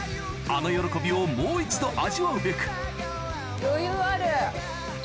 あの喜びをもう一度味わうべく余裕ある。